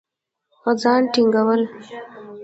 ځان ټينګول